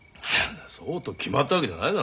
そうと決まったわけじゃないだろ。